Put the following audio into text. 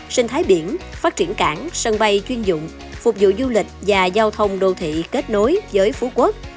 sinh thái biển phát triển cảng sân bay chuyên dụng phục vụ du lịch và giao thông đô thị kết nối với phú quốc